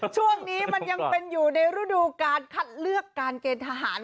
ช่วงนี้มันยังเป็นอยู่ในฤดูการคัดเลือกการเกณฑ์ทหาร